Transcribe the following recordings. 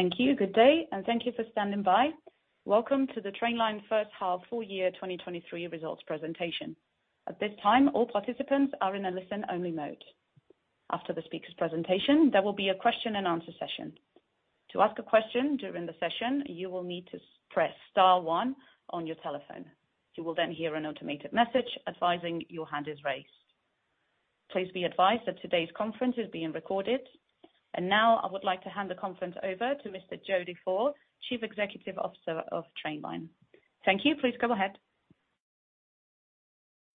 Thank you. Good day, and thank you for standing by. Welcome to the Trainline first half full year 2023 results presentation. At this time, all participants are in a listen-only mode. After the speaker's presentation, there will be a Q&A session. To ask a question during the session, you will need to press star one on your telephone. You will then hear an automated message advising your hand is raised. Please be advised that today's Conference is being recorded. Now, I would like to hand the Conference over to Mr. Jody Ford, Chief Executive Officer of Trainline. Thank you. Please go ahead.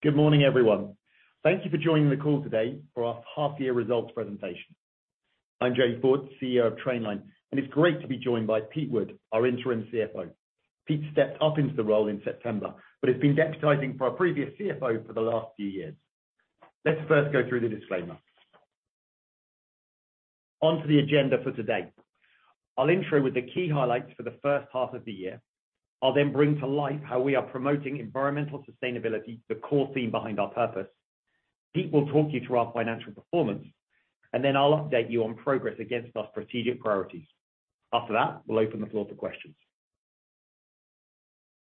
Good morning, everyone. Thank you for joining the call today for our half year results presentation. I'm Jody Ford, CEO of Trainline, and it's great to be joined by Pete Wood, our interim CFO. Pete stepped up into the role in September, but has been deputizing for our previous CFO for the last few years. Let's first go through the disclaimer. Onto the agenda for today. I'll intro with the key highlights for the first half of the year. I'll then bring to life how we are promoting environmental sustainability, the core theme behind our purpose. Pete will talk you through our financial performance, and then I'll update you on progress against our strategic priorities. After that, we'll open the floor to questions.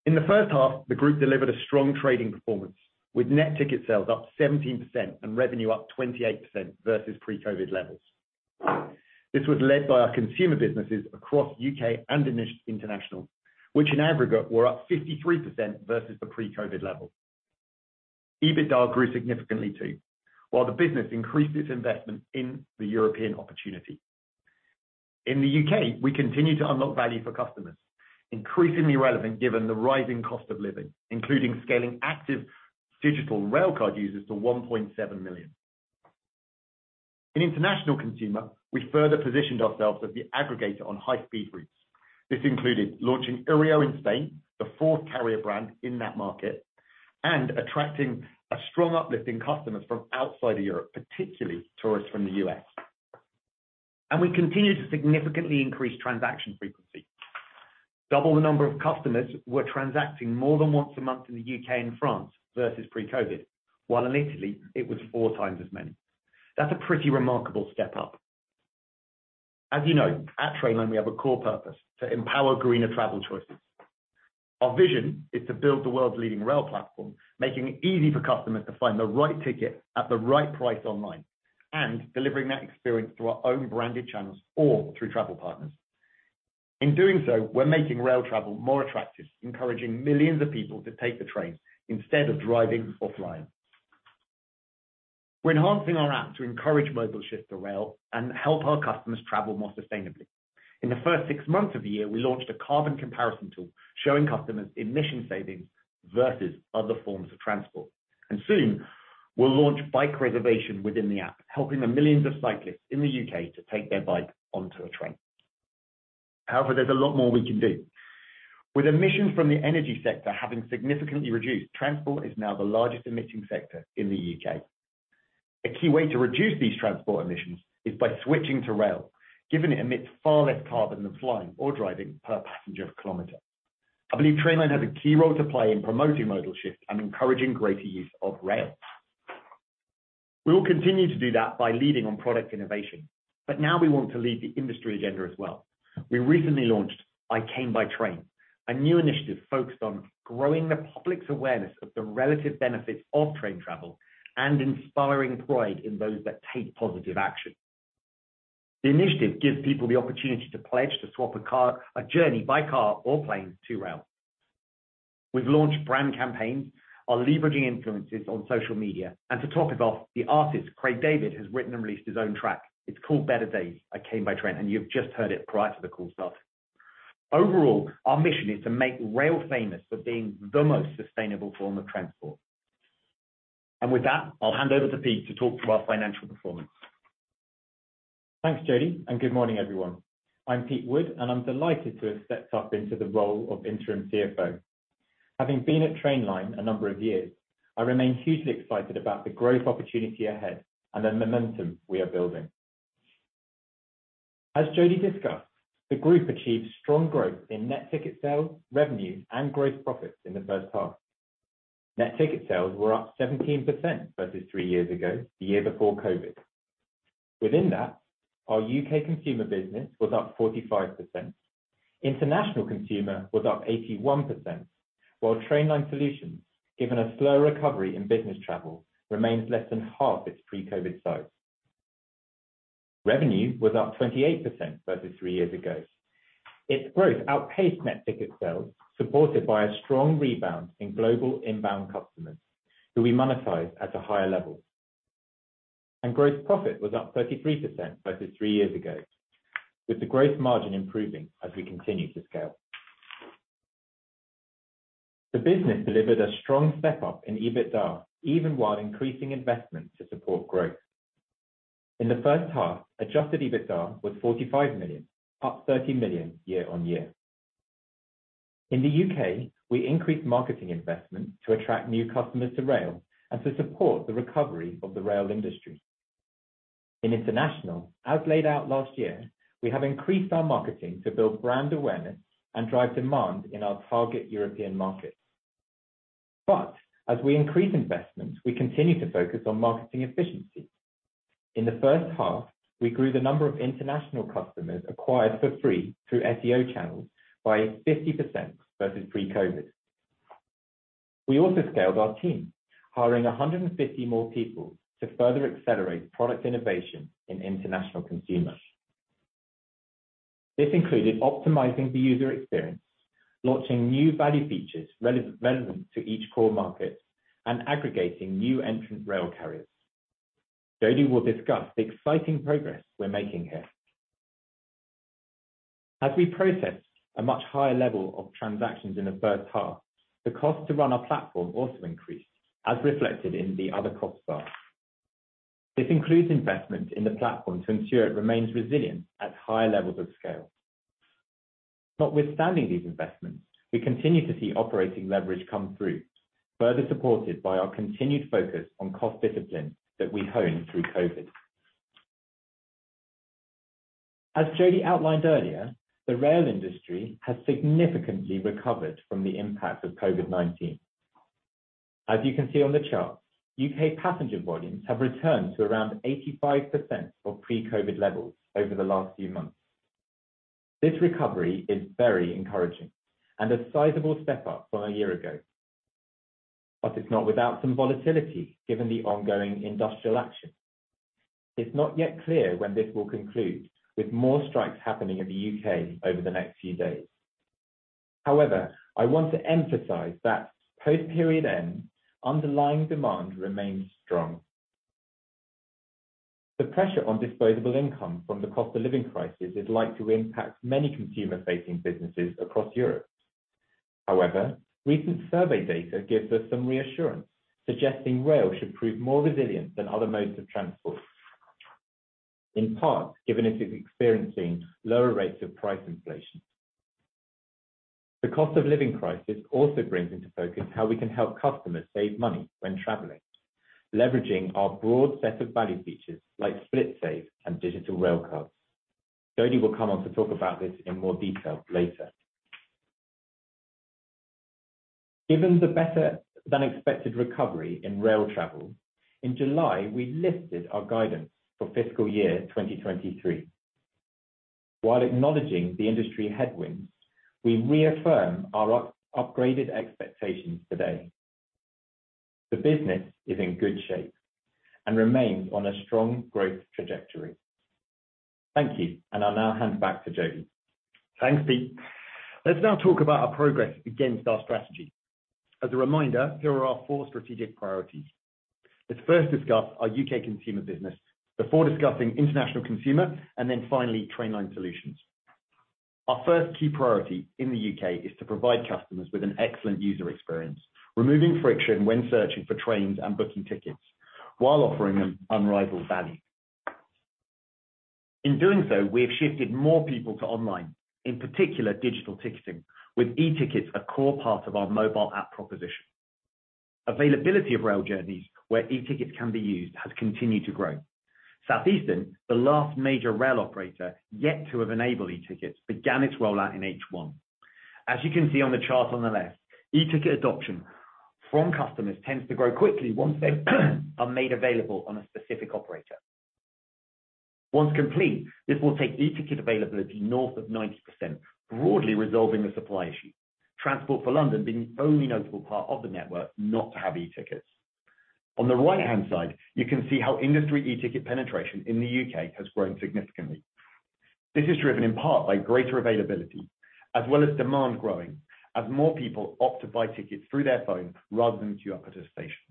In the first half, the group delivered a strong trading performance with net ticket sales up 17% and revenue up 28% versus pre-COVID levels. This was led by our consumer businesses across U.K. and International, which in aggregate were up 53% versus the pre-COVID levels. EBITDA grew significantly too, while the business increased its investment in the European opportunity. In the U.K., we continue to unlock value for customers, increasingly relevant given the rising cost of living, including scaling active digital Railcard users to 1.7 million. In International consumer, we further positioned ourselves as the aggregator on high speed routes. This included launching Iryo in Spain, the fourth carrier brand in that market, and attracting a strong uplift in customers from outside of Europe, particularly tourists from the U.S. We continued to significantly increase transaction frequency. Double the number of customers were transacting more than once a month in the U.K. and France versus pre-COVID, while in Italy it was 4x as many. That's a pretty remarkable step up. As you know, at Trainline we have a core purpose: to empower greener travel choices. Our vision is to build the world's leading rail platform, making it easy for customers to find the right ticket at the right price online, and delivering that experience through our own branded channels or through travel partners. In doing so, we're making rail travel more attractive, encouraging millions of people to take the train instead of driving or flying. We're enhancing our app to encourage modal shift to rail and help our customers travel more sustainably. In the first six months of the year, we launched a carbon comparison tool showing customers emissions savings versus other forms of transport. Soon we'll launch bike reservation within the app, helping the millions of cyclists in the U.K. to take their bike onto a train. However, there's a lot more we can do. With emissions from the energy sector having significantly reduced, transport is now the largest emitting sector in the U.K.. A key way to reduce these transport emissions is by switching to rail, given it emits far less carbon than flying or driving per passenger kilometer. I believe Trainline has a key role to play in promoting modal shifts and encouraging greater use of rail. We will continue to do that by leading on product innovation, but now we want to lead the industry agenda as well. We recently launched I Came by Train, a new initiative focused on growing the public's awareness of the relative benefits of train travel and inspiring pride in those that take positive action. The initiative gives people the opportunity to pledge to swap a car, a journey by car or plane to rail. We've launched brand campaigns, are leveraging influencers on social media. To top it off, the artist Craig David has written and released his own track. It's called Better Days (I Came By Train), and you've just heard it prior to the call start. Overall, our mission is to make rail famous for being the most sustainable form of transport. With that, I'll hand over to Pete to talk through our financial performance. Thanks, Jody, and good morning, everyone. I'm Pete Wood, and I'm delighted to have stepped up into the role of interim CFO. Having been at Trainline a number of years, I remain hugely excited about the growth opportunity ahead and the momentum we are building. As Jody discussed, the group achieved strong growth in net ticket sales, revenue, and gross profits in the first half. Net ticket sales were up 17% versus three years ago, the year before COVID. Within that, our U.K. consumer business was up 45%. International consumer was up 81%. While Trainline Solutions, given a slow recovery in business travel, remains less than half its pre-COVID size. Revenue was up 28% versus three years ago. Its growth outpaced net ticket sales, supported by a strong rebound in global inbound customers, who we monetize at a higher level. Gross profit was up 33% versus three years ago, with the growth margin improving as we continue to scale. The business delivered a strong step up in EBITDA, even while increasing investment to support growth. In the first half, adjusted EBITDA was 45 million, up 30 million year-on-year. In the U.K., we increased marketing investment to attract new customers to rail and to support the recovery of the rail industry. In international, as laid out last year, we have increased our marketing to build brand awareness and drive demand in our target European markets. As we increase investments, we continue to focus on marketing efficiency. In the first half, we grew the number of international customers acquired for free through SEO channels by 50% versus pre-COVID. We also scaled our team, hiring 150 more people to further accelerate product innovation in international consumers. This included optimizing the user experience, launching new value features relevant to each core market, and aggregating new entrant rail carriers. Jody will discuss the exciting progress we're making here. As we process a much higher level of transactions in the first half, the cost to run our platform also increased as reflected in the other cost bars. This includes investment in the platform to ensure it remains resilient at high levels of scale. Notwithstanding these investments, we continue to see operating leverage come through, further supported by our continued focus on cost discipline that we honed through COVID. As Jody outlined earlier, the rail industry has significantly recovered from the impact of COVID-19. As you can see on the chart, U.K. passenger volumes have returned to around 85% of pre-COVID levels over the last few months. This recovery is very encouraging and a sizable step up from a year ago. It's not without some volatility given the ongoing industrial action. It's not yet clear when this will conclude, with more strikes happening in the U.K. over the next few days. However, I want to emphasize that post period end, underlying demand remains strong. The pressure on disposable income from the cost of living crisis is likely to impact many consumer-facing businesses across Europe. However, recent survey data gives us some reassurance, suggesting rail should prove more resilient than other modes of transport, in part, given it is experiencing lower rates of price inflation. The cost of living crisis also brings into focus how we can help customers save money when traveling, leveraging our broad set of value features like SplitSave and digital Railcards. Jody will come on to talk about this in more detail later. Given the better than expected recovery in rail travel, in July, we lifted our guidance for fiscal year 2023. While acknowledging the industry headwinds, we reaffirm our upgraded expectations today. The business is in good shape and remains on a strong growth trajectory. Thank you, and I'll now hand back to Jody. Thanks, Pete. Let's now talk about our progress against our strategy. As a reminder, here are our four strategic priorities. Let's first discuss our U.K. consumer business before discussing international consumer and then finally, Trainline Solutions. Our first key priority in the U.K. is to provide customers with an excellent user experience, removing friction when searching for trains and booking tickets while offering them unrivaled value. In doing so, we have shifted more people to online, in particular digital ticketing, with e-tickets a core part of our mobile app proposition. Availability of rail journeys where e-tickets can be used has continued to grow. Southeastern, the last major rail operator yet to have enabled e-tickets, began its rollout in H1. As you can see on the chart on the left, e-ticket adoption from customers tends to grow quickly once they are made available on a specific operator. Once complete, this will take the e-ticket availability north of 90%, broadly resolving the supply issue. Transport for London being the only notable part of the network not to have e-tickets. On the right-hand side, you can see how industry e-ticket penetration in the U.K. has grown significantly. This is driven in part by greater availability as well as demand growing as more people opt to buy tickets through their phone rather than queue up at a station.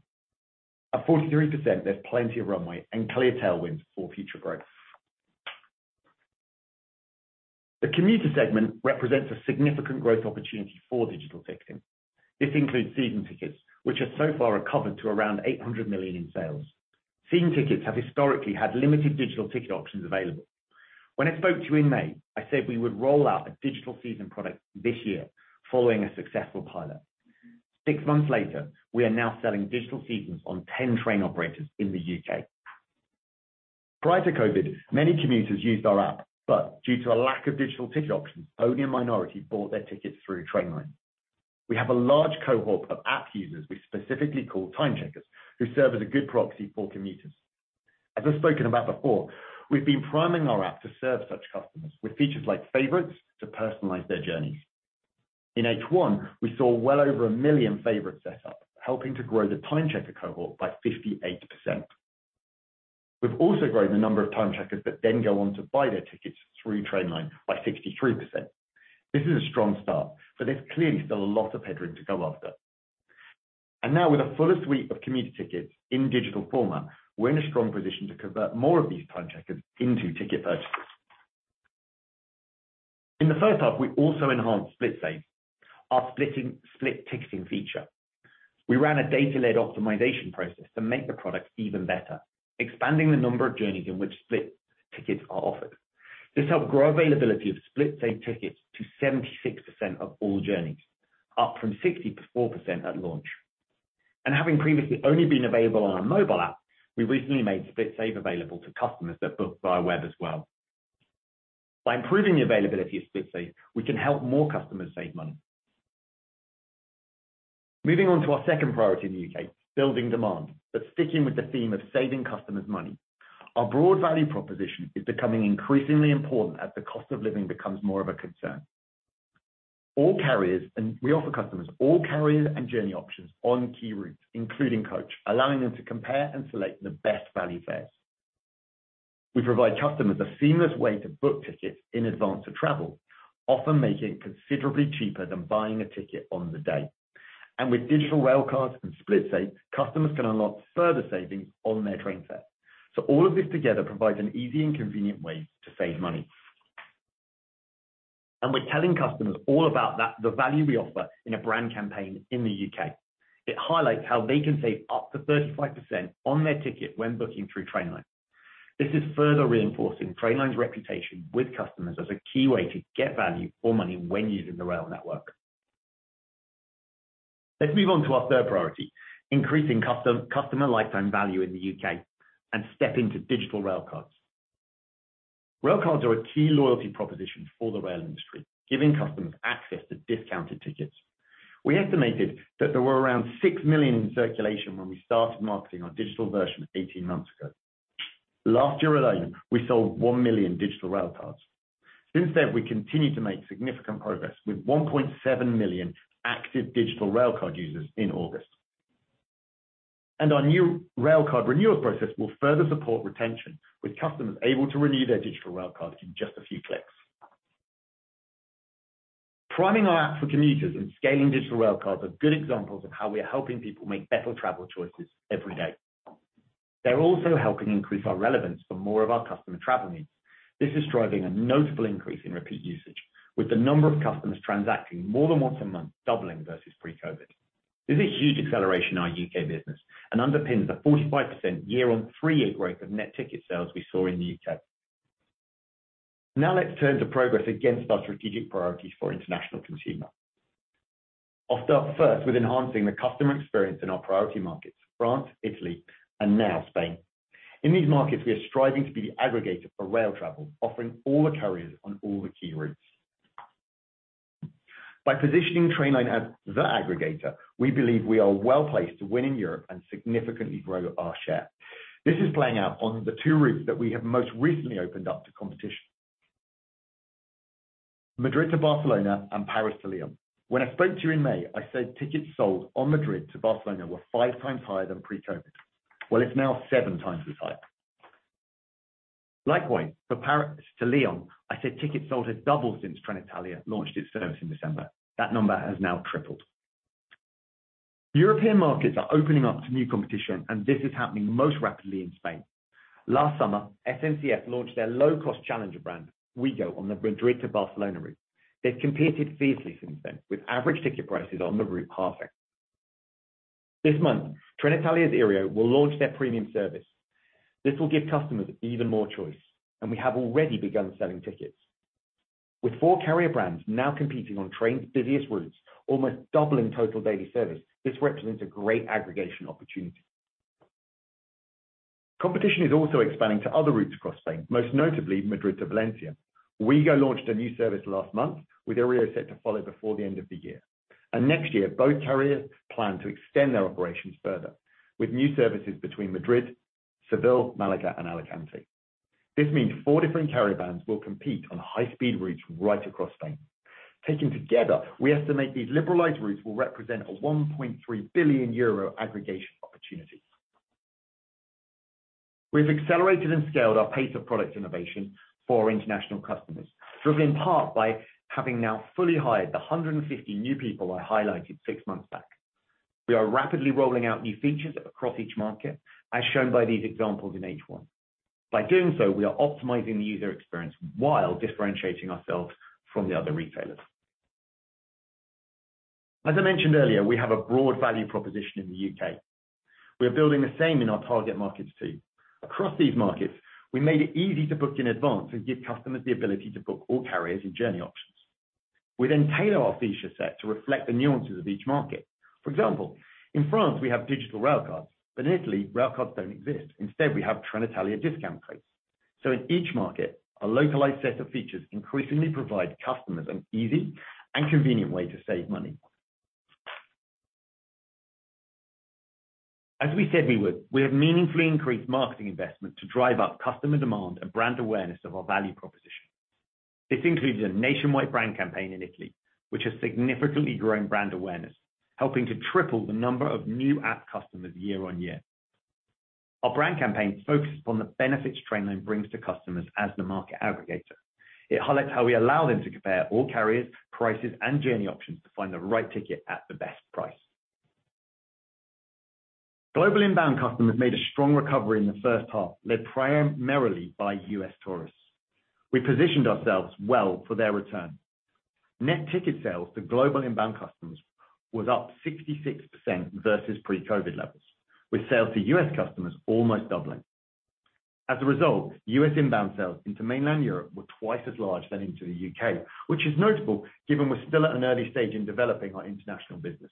At 43%, there's plenty of runway and clear tailwinds for future growth. The commuter segment represents a significant growth opportunity for digital ticketing. This includes season tickets, which have so far recovered to around 800 million in sales. Season tickets have historically had limited digital ticket options available. When I spoke to you in May, I said we would roll out a digital season product this year following a successful pilot. Six months later, we are now selling digital seasons on 10 train operators in the U.K.. Prior to COVID, many commuters used our app, but due to a lack of digital ticket options, only a minority bought their tickets through Trainline. We have a large cohort of app users we specifically call time checkers who serve as a good proxy for commuters. As I've spoken about before, we've been priming our app to serve such customers with features like Favorites to personalize their journeys. In H1, we saw well over a million Favorites set up, helping to grow the time checker cohort by 58%. We've also grown the number of time checkers that then go on to buy their tickets through Trainline by 63%. This is a strong start, but there's clearly still a lot of headroom to go after. Now with a fuller suite of commuter tickets in digital format, we're in a strong position to convert more of these time checkers into ticket purchasers. In the first half, we also enhanced SplitSave, our split ticketing feature. We ran a data-led optimization process to make the product even better, expanding the number of journeys in which split tickets are offered. This helped grow availability of SplitSave tickets to 76% of all journeys, up from 64% at launch. Having previously only been available on our mobile app, we recently made SplitSave available to customers that book via web as well. By improving the availability of SplitSave, we can help more customers save money. Moving on to our second priority in the U.K., building demand, but sticking with the theme of saving customers money. Our broad value proposition is becoming increasingly important as the cost of living becomes more of a concern. We offer customers all carriers and journey options on key routes, including coach, allowing them to compare and select the best value fares. We provide customers a seamless way to book tickets in advance of travel, often making it considerably cheaper than buying a ticket on the day. With digital Railcards and SplitSave, customers can unlock further savings on their train fare. All of this together provides an easy and convenient way to save money. We're telling customers all about the value we offer in a brand campaign in the U.K.. It highlights how they can save up to 35% on their ticket when booking through Trainline. This is further reinforcing Trainline's reputation with customers as a key way to get value for money when using the rail network. Let's move on to our third priority, increasing customer lifetime value in the U.K. and step into digital Railcards. Railcards are a key loyalty proposition for the rail industry, giving customers access to discounted tickets. We estimated that there were around 6 million in circulation when we started marketing our digital Railcard 18 months ago. Last year alone, we sold 1 million digital Railcards. Since then, we continue to make significant progress with 1.7 million active digital Railcard users in August. Our new Railcard renewal process will further support retention, with customers able to renew their digital Railcard in just a few clicks. Priming our app for commuters and scaling digital Railcards are good examples of how we are helping people make better travel choices every day. They're also helping increase our relevance for more of our customer travel needs. This is driving a notable increase in repeat usage, with the number of customers transacting more than once a month doubling versus pre-COVID. This is a huge acceleration in our U.K. business and underpins the 45% year-on-three-year growth of net ticket sales we saw in the U.K.. Now let's turn to progress against our strategic priorities for International Consumer. I'll start first with enhancing the customer experience in our priority markets, France, Italy, and now Spain. In these markets, we are striving to be the aggregator for rail travel, offering all the carriers on all the key routes. By positioning Trainline as the aggregator, we believe we are well-placed to win in Europe and significantly grow our share. This is playing out on the two routes that we have most recently opened up to competition. Madrid to Barcelona and Paris to Lyon. When I spoke to you in May, I said tickets sold on Madrid to Barcelona were 5x higher than pre-COVID. Well, it's now 7x as high. Likewise, for Paris to Lyon, I said tickets sold has doubled since Trenitalia launched its service in December. That number has now tripled. European markets are opening up to new competition, and this is happening most rapidly in Spain. Last summer, SNCF launched their low-cost challenger brand, Ouigo, on the Madrid to Barcelona route. They've competed fiercely since then, with average ticket prices on the route halving. This month, Trenitalia's Iryo will launch their premium service. This will give customers even more choice, and we have already begun selling tickets. With four carrier brands now competing on trains' busiest routes, almost doubling total daily service, this represents a great aggregation opportunity. Competition is also expanding to other routes across Spain, most notably Madrid to Valencia. Ouigo launched a new service last month, with Iryo set to follow before the end of the year. Next year, both carriers plan to extend their operations further, with new services between Madrid, Seville, Malaga, and Alicante. This means four different carrier brands will compete on high-speed routes right across Spain. Taken together, we estimate these liberalized routes will represent a 1.3 billion euro aggregation opportunity. We've accelerated and scaled our pace of product innovation for our international customers, driven in part by having now fully hired the 150 new people I highlighted six months back. We are rapidly rolling out new features across each market, as shown by these examples in H1. By doing so, we are optimizing the user experience while differentiating ourselves from the other retailers. As I mentioned earlier, we have a broad value proposition in the U.K.. We are building the same in our target markets too. Across these markets, we made it easy to book in advance and give customers the ability to book all carriers and journey options. We then tailor our feature set to reflect the nuances of each market. For example, in France, we have digital Railcards, but in Italy, Railcards don't exist. Instead, we have Trenitalia discount codes. In each market, our localized set of features increasingly provide customers an easy and convenient way to save money. As we said we would, we have meaningfully increased marketing investment to drive up customer demand and brand awareness of our value proposition. This includes a nationwide brand campaign in Italy, which has significantly grown brand awareness, helping to triple the number of new app customers year-on-year. Our brand campaign focuses on the benefits Trainline brings to customers as the market aggregator. It highlights how we allow them to compare all carriers, prices, and journey options to find the right ticket at the best price. Global inbound customers made a strong recovery in the first half, led primarily by U.S. tourists. We positioned ourselves well for their return. Net ticket sales to global inbound customers was up 66% versus pre-COVID levels, with sales to U.S. customers almost doubling. As a result, U.S. inbound sales into mainland Europe were twice as large than into the U.K., which is notable given we're still at an early stage in developing our international business.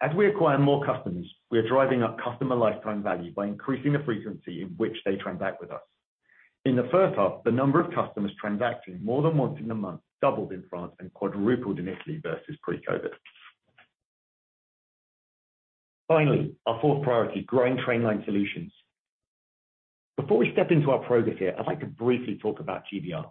As we acquire more customers, we are driving up customer lifetime value by increasing the frequency in which they transact with us. In the first half, the number of customers transacting more than once in a month doubled in France and quadrupled in Italy versus pre-COVID. Finally, our fourth priority, growing Trainline Solutions. Before we step into our progress here, I'd like to briefly talk about GBR.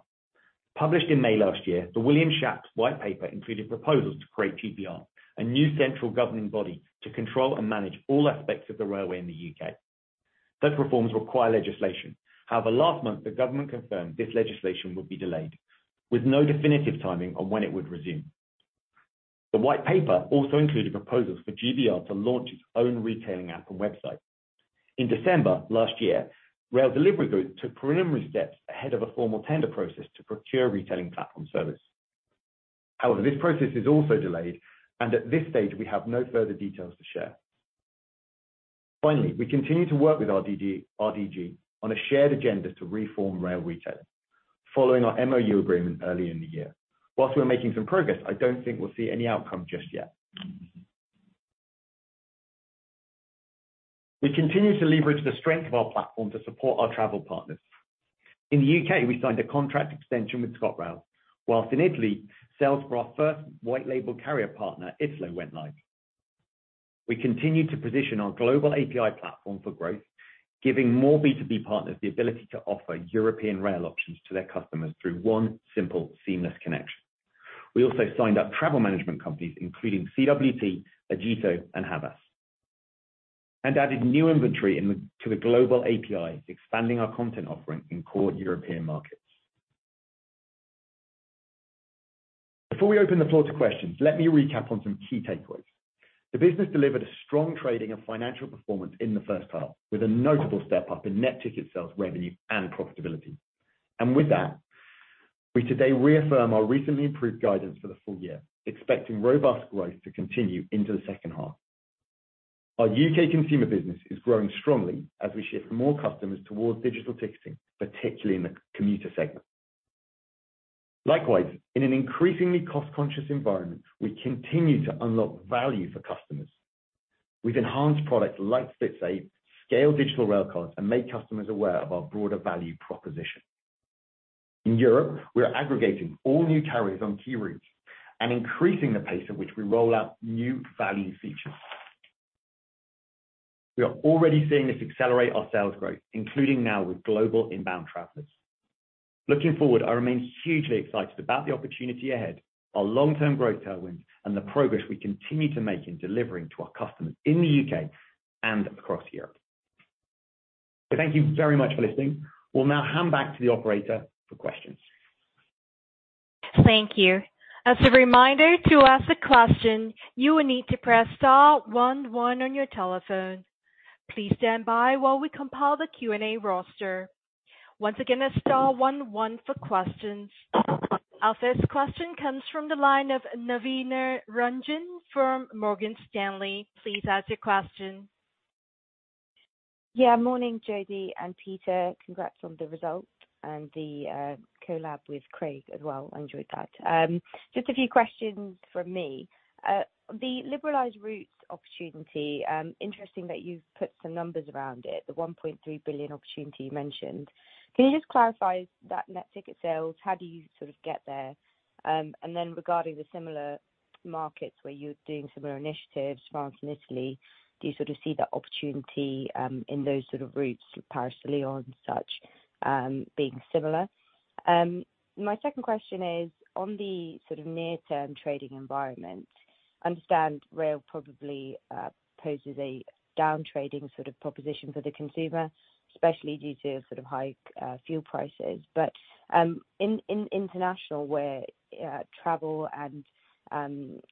Published in May last year, the Williams-Shapps Plan for Rail included proposals to create GBR, a new central governing body to control and manage all aspects of the railway in the U.K.. Those reforms require legislation. However, last month, the government confirmed this legislation will be delayed, with no definitive timing on when it would resume. The white paper also included proposals for GBR to launch its own retailing app and website. In December last year, Rail Delivery Group took preliminary steps ahead of a formal tender process to procure retailing platform service. However, this process is also delayed, and at this stage, we have no further details to share. Finally, we continue to work with RDG on a shared agenda to reform rail retail following our MoU agreement early in the year. While we're making some progress, I don't think we'll see any outcome just yet. We continue to leverage the strength of our platform to support our travel partners. In the U.K., we signed a contract extension with ScotRail, while in Italy, sales for our first white label carrier partner, Italo, went live. We continued to position our global API platform for growth, giving more B2B partners the ability to offer European rail options to their customers through one simple, seamless connection. We also signed up travel management companies including CWT, Egencia, and Havas, and added new inventory to the global API, expanding our content offering in core European markets. Before we open the floor to questions, let me recap on some key takeaways. The business delivered a strong trading and financial performance in the first half, with a notable step up in net ticket sales, revenue, and profitability. With that, we today reaffirm our recently improved guidance for the full year, expecting robust growth to continue into the second half. Our U.K. consumer business is growing strongly as we shift more customers towards digital ticketing, particularly in the commuter segment. Likewise, in an increasingly cost-conscious environment, we continue to unlock value for customers with enhanced products like SplitSave, scale digital Railcards, and make customers aware of our broader value proposition. In Europe, we are aggregating all new carriers on key routes and increasing the pace at which we roll out new value features. We are already seeing this accelerate our sales growth, including now with global inbound travelers. Looking forward, I remain hugely excited about the opportunity ahead, our long-term growth tailwinds, and the progress we continue to make in delivering to our customers in the U.K. and across Europe. Thank you very much for listening. We'll now hand back to the operator for questions. Thank you. As a reminder, to ask a question, you will need to press star one one on your telephone. Please stand by while we compile the Q&A roster. Once again, that's star one one for questions. Our first question comes from the line of Navina Rajan from Morgan Stanley. Please ask your question. Morning, Jody and Pete. Congrats on the results and the collab with Craig as well. Enjoyed that. Just a few questions from me. The liberalized routes opportunity, interesting that you've put some numbers around it, the 1.3 billion opportunity you mentioned. Can you just clarify that net ticket sales? How do you sort of get there? And then regarding the similar markets where you're doing similar initiatives, France and Italy, do you sort of see that opportunity in those sort of routes, Paris-Lyon, such, being similar? My second question is on the sort of near-term trading environment. Understand rail probably poses a down-trading sort of proposition for the consumer, especially due to sort of high fuel prices. In International, where travel and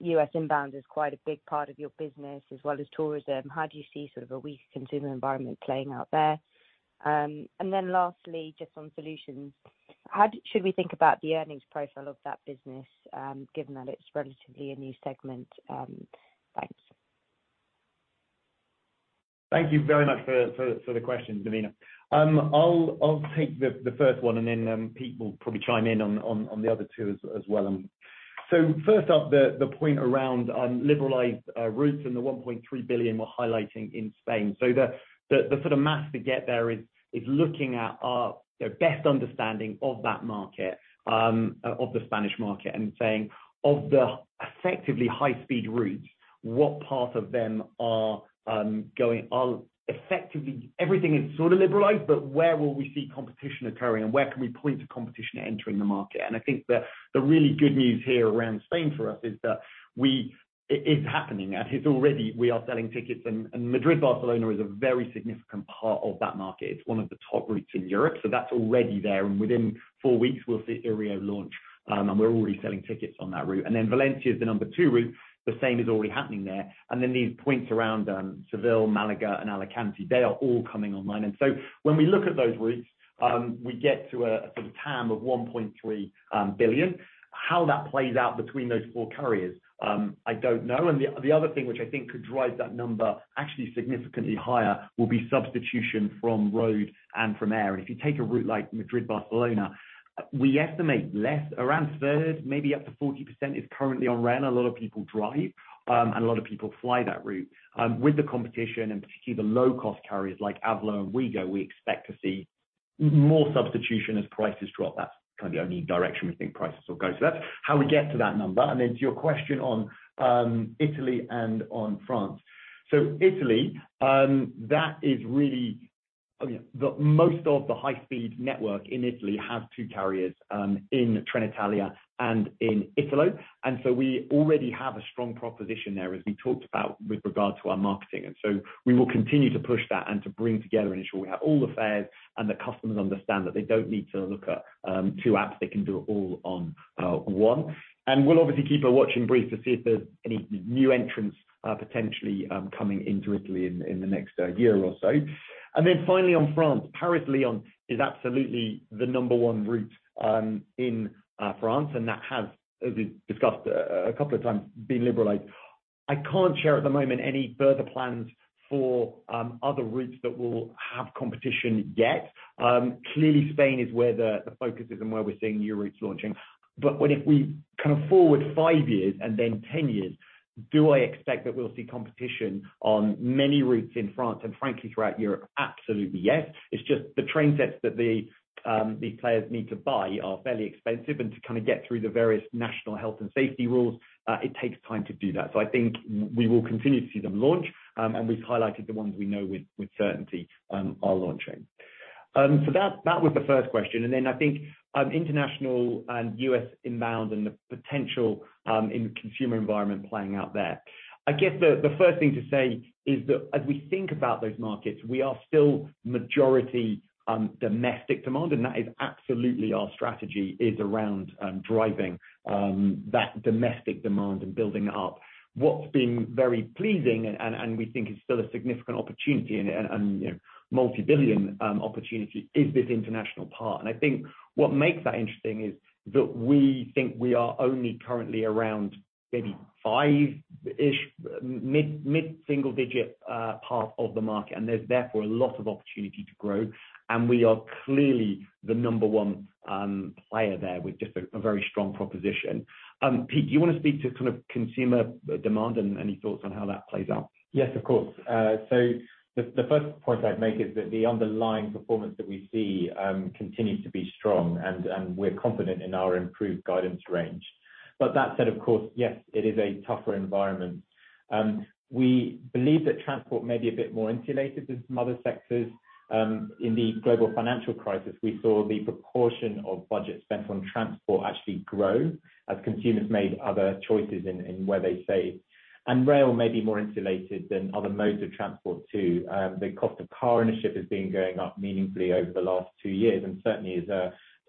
U.S. inbound is quite a big part of your business as well as tourism, how do you see sort of a weak consumer environment playing out there? Then lastly, just on Solutions, how should we think about the earnings profile of that business, given that it's relatively a new segment? Thanks. Thank you very much for the question, Navina. I'll take the first one, and then Pete will probably chime in on the other two as well. First up, the point around liberalized routes and the 1.3 billion we're highlighting in Spain. The sort of math to get there is looking at our best understanding of that market, of the Spanish market and saying of the effectively high speed routes, what part of them are effectively everything is sort of liberalized, but where will we see competition occurring and where can we point to competition entering the market? I think the really good news here around Spain for us is that it is happening and it's already we are selling tickets, and Madrid, Barcelona is a very significant part of that market. It's one of the top routes in Europe. That's already there. Within four weeks we'll see Iryo launch. We're already selling tickets on that route. Then Valencia is the number two route. The same is already happening there. Then these points around Seville, Málaga and Alicante, they are all coming online. When we look at those routes, we get to a sort of TAM of 1.3 billion. How that plays out between those four carriers, I don't know. The other thing which I think could drive that number actually significantly higher will be substitution from road and from air. If you take a route like Madrid, Barcelona, we estimate less than around a third, maybe up to 40% is currently on rail. A lot of people drive, and a lot of people fly that route. With the competition and particularly the low cost carriers like Avlo and Ouigo, we expect to see more substitution as prices drop. That's kind of the only direction we think prices will go. That's how we get to that number. To your question on Italy and on France. Italy, that is really, I mean, the most of the high-speed network in Italy has two carriers, in Trenitalia and in Italo. We already have a strong proposition there as we talked about with regard to our marketing. We will continue to push that and to bring together ensure we have all the fares and the customers understand that they don't need to look at two apps, they can do it all on one. We'll obviously keep a watching brief to see if there's any new entrants potentially coming into Italy in the next year or so. Finally on France. Paris-Lyon is absolutely the number one route in France, and that has as we discussed a couple of times been liberalized. I can't share at the moment any further plans for other routes that will have competition yet. Clearly, Spain is where the focus is and where we're seeing new routes launching. What if we kind of forward five years and then 10 years, do I expect that we'll see competition on many routes in France and frankly throughout Europe? Absolutely, yes. It's just the train sets that the these players need to buy are fairly expensive to kinda get through the various national health and safety rules, it takes time to do that. I think we will continue to see them launch and we've highlighted the ones we know with certainty are launching. That was the first question. I think International and U.S. inbound and the potential in consumer environment playing out there. I guess the first thing to say is that as we think about those markets, we are still majority domestic demand, and that is absolutely our strategy is around driving that domestic demand and building up. What's been very pleasing and we think is still a significant opportunity and you know, multi-billion opportunity is this international part. I think what makes that interesting is that we think we are only currently around maybe five-ish mid-single digit part of the market, and there's therefore a lot of opportunity to grow. We are clearly the number one player there with just a very strong proposition. Pete, do you wanna speak to kind of consumer demand and any thoughts on how that plays out? Yes, of course. So the first point I'd make is that the underlying performance that we see continues to be strong and we're confident in our improved guidance range. That said, of course, yes, it is a tougher environment. We believe that transport may be a bit more insulated than some other sectors. In the global financial crisis, we saw the proportion of budget spent on transport actually grow as consumers made other choices in where they saved. Rail may be more insulated than other modes of transport too. The cost of car ownership has been going up meaningfully over the last two years and certainly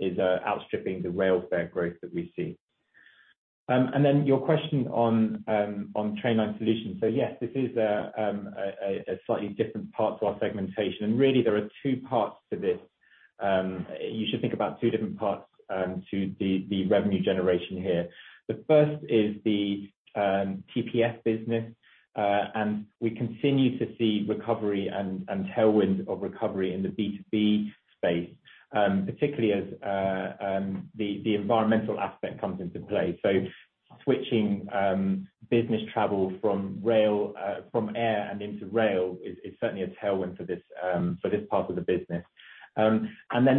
is outstripping the rail fare growth that we see. Then your question on Trainline Solutions. Yes, this is a slightly different part to our segmentation. Really there are two parts to this. You should think about two different parts to the revenue generation here. The first is the TPS business. We continue to see recovery and tailwind of recovery in the B2B space, particularly as the environmental aspect comes into play. Switching business travel from air and into rail is certainly a tailwind for this part of the business. Then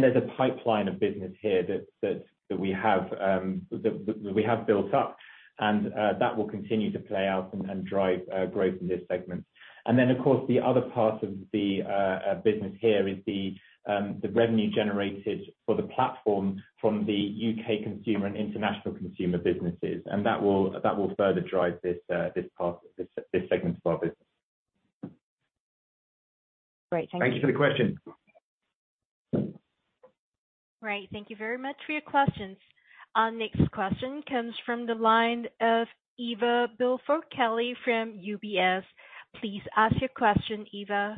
there's a pipeline of business here that we have built up, and that will continue to play out and drive growth in this segment. Of course, the other part of the business here is the revenue generated for the platform from the U.K. consumer and international consumer businesses. That will further drive this part, this segment of our business. Great. Thank you. Thank you for the question. Great. Thank you very much for your questions. Our next question comes from the line of Ivar Billfalk-Kelly from UBS. Please ask your question, Ivar.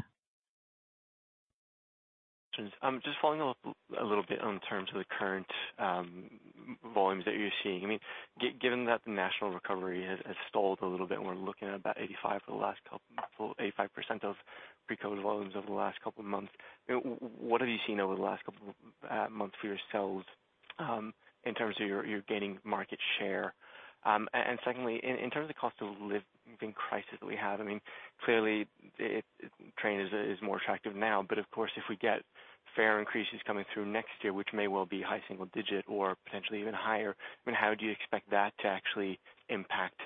Just following up a little bit in terms of the current volumes that you're seeing. I mean, given that the national recovery has stalled a little bit and we're looking at about 85% of pre-COVID volumes over the last couple of months, what have you seen over the last couple of months for yourselves in terms of your gaining market share? Secondly, in terms of the cost of living crisis that we have, I mean, clearly train is more attractive now. Of course, if we get fare increases coming through next year, which may well be high single digit or potentially even higher, I mean, how do you expect that to actually impact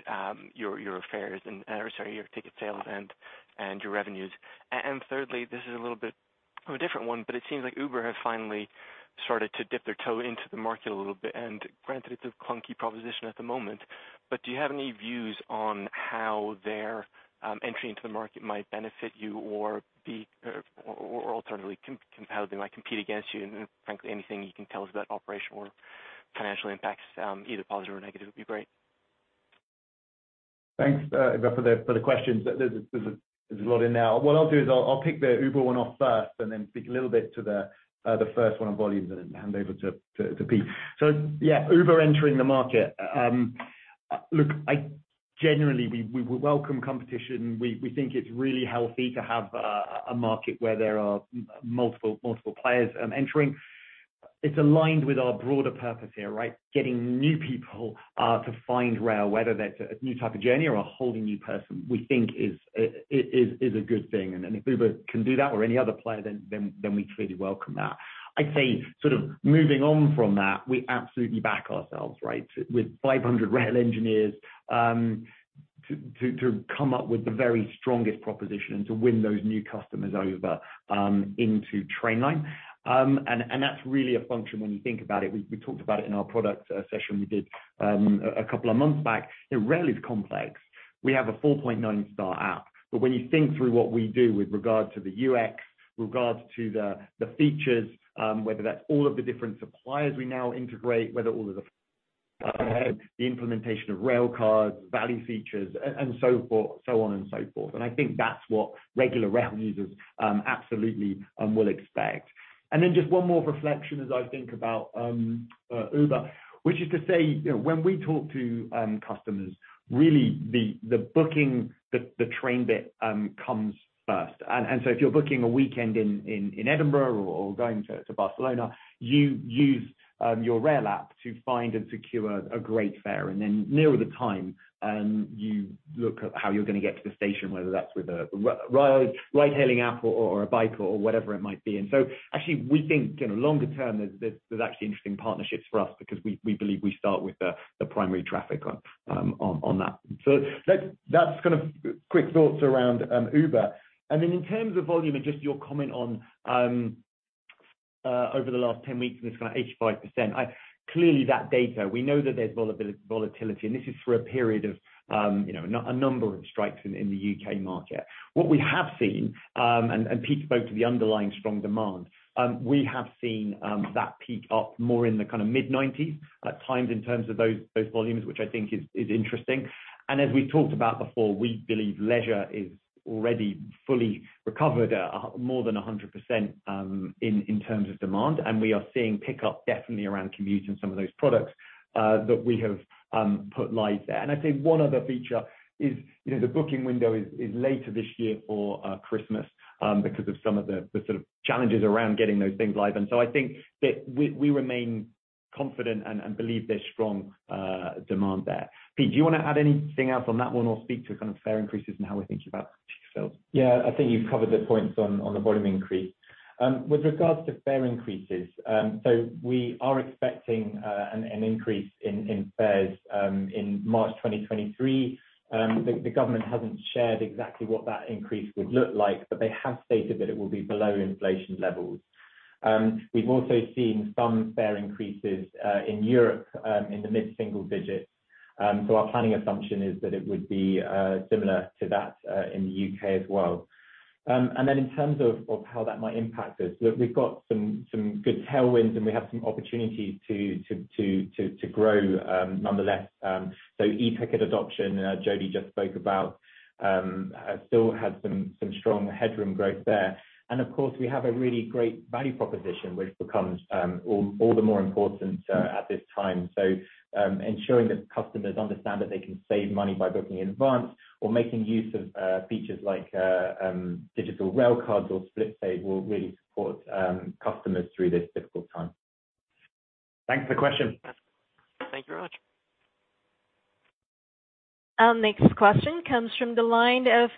your ticket sales and your revenues? Thirdly, this is a little bit of a different one, but it seems like Uber has finally started to dip their toe into the market a little bit, and granted it's a clunky proposition at the moment. But do you have any views on how their entry into the market might benefit you or alternatively how they might compete against you? Frankly, anything you can tell us about operational or financial impacts, either positive or negative, would be great. Thanks, Ivar, for the questions. There's a lot in there. What I'll do is pick the Uber one off first and then speak a little bit to the first one on volumes and hand over to Pete. Yeah, Uber entering the market. Look, generally we welcome competition. We think it's really healthy to have a market where there are multiple players entering. It's aligned with our broader purpose here, right? Getting new people to find rail, whether that's a new type of journey or a wholly new person, we think is a good thing. If Uber can do that or any other player then we truly welcome that. I'd say sort of moving on from that, we absolutely back ourselves, right? With 500 rail engineers to come up with the very strongest proposition to win those new customers over into Trainline. That's really a function when you think about it. We talked about it in our product session we did a couple of months back. You know, rail is complex. We have a 4.9 star app. When you think through what we do with regards to the UX, regards to the features, whether that's all of the different suppliers we now integrate, whether all of the implementation of rail cards, value features, and so forth, so on and so forth. I think that's what regular rail users absolutely will expect. Then just one more reflection as I think about Uber, which is to say, you know, when we talk to customers, really the booking, the train bit comes first. If you're booking a weekend in Edinburgh or going to Barcelona, you use your rail app to find and secure a great fare. Then nearer the time, you look at how you're gonna get to the station, whether that's with a ride-hailing app or a bike or whatever it might be. Actually we think, you know, longer term there's actually interesting partnerships for us because we believe we start with the primary traffic on that. That's kind of quick thoughts around Uber. Then in terms of volume and just your comment on over the last 10 weeks and it's kind of 85%. Clearly that data, we know that there's volatility, and this is through a period of, you know, a number of strikes in the U.K. market. What we have seen, and Pete spoke to the underlying strong demand. We have seen that peak up more in the kinda mid-nineties at times in terms of those volumes, which I think is interesting. As we talked about before, we believe leisure is already fully recovered at more than 100% in terms of demand. We are seeing pick up definitely around commute and some of those products that we have put live there. I'd say one other feature is, you know, the booking window is later this year for Christmas because of some of the sort of challenges around getting those things live. I think that we remain confident and believe there's strong demand there. Pete, do you wanna add anything else on that one or speak to kind of fare increases and how we're thinking about future sales? Yeah, I think you've covered the points on the volume increase. With regards to fare increases, we are expecting an increase in fares in March 2023. The government hasn't shared exactly what that increase would look like, but they have stated that it will be below inflation levels. We've also seen some fare increases in Europe in the mid-single digits. Our planning assumption is that it would be similar to that in the U.K. as well. In terms of how that might impact us, look, we've got some good tailwinds, and we have some opportunities to grow nonetheless. E-ticket adoption, as Jody just spoke about, still has some strong headroom growth there. Of course, we have a really great value proposition which becomes all the more important at this time. Ensuring that customers understand that they can save money by booking in advance or making use of features like digital Railcard or SplitSave will really support customers through this difficult time. Thanks for the question. Thank you very much. Our next question comes from the line of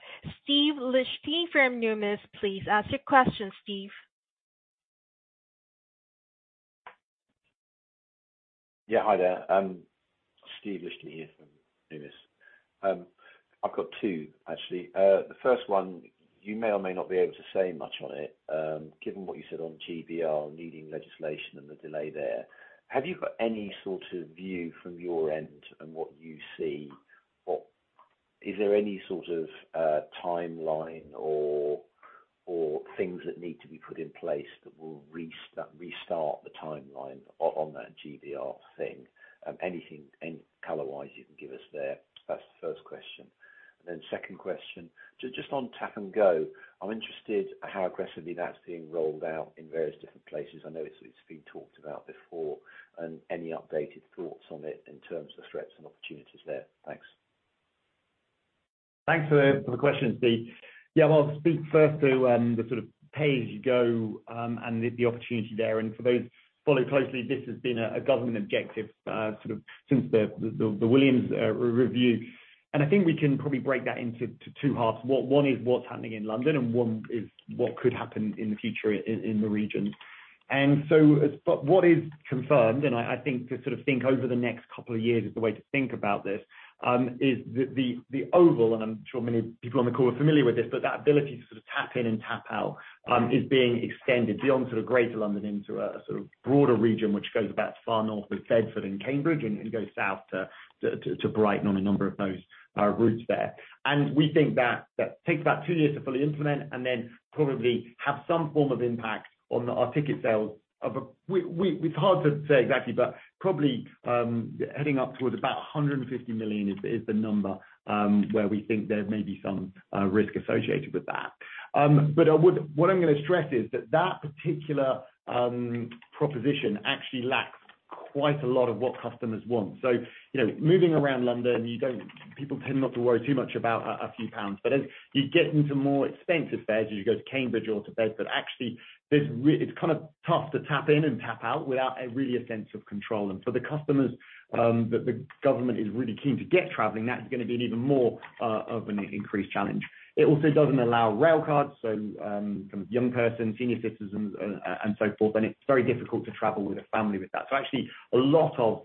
Steve Liechti from Numis. Please ask your question, Steve. Yeah. Hi there. Steve Liechti here from Numis. I've got two actually. The first one, you may or may not be able to say much on it, given what you said on GBR needing legislation and the delay there. Have you got any sort of view from your end on what you see, what? Is there any sort of timeline or things that need to be put in place that will that restart the timeline on that GBR thing? Anything, any color-wise you can give us there? That's the first question. Then second question, just on Tap and Go, I'm interested how aggressively that's being rolled out in various different places. I know it's been talked about before and any updated thoughts on it in terms of threats and opportunities there. Thanks. Thanks for the questions, Steve. Yeah. Well, I'll speak first to the sort of pay as you go and the opportunity there. For those who follow closely, this has been a government objective sort of since the Williams Rail Review. I think we can probably break that into two halves. One is what's happening in London and one is what could happen in the future in the regions. What is confirmed, and I think to sort of think over the next couple of years is the way to think about this, is the Project Oval, and I'm sure many people on the call are familiar with this, but that ability to sort of tap in and tap out is being extended beyond sort of Greater London into a sort of broader region which goes about as far north as Bedford and Cambridge and goes south to Brighton on a number of those routes there. We think that takes about two years to fully implement and then probably have some form of impact on our ticket sales. It's hard to say exactly, but probably heading up towards about 150 million is the number where we think there may be some risk associated with that. What I'm gonna stress is that that particular proposition actually lacks quite a lot of what customers want. You know, moving around London, people tend not to worry too much about a few pounds. But as you get into more expensive fares, as you go to Cambridge or to Bedford, it's kind of tough to tap in and tap out without really a sense of control. For the customers that the government is really keen to get traveling, that is gonna be an even more of an increased challenge. It also doesn't allow rail cards, so kind of young person, senior citizens and so forth, and it's very difficult to travel with a family with that. Actually a lot of